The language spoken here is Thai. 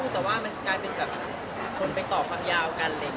แต่ว่ามันกลายเป็นคนไปตอบคำยาวกัน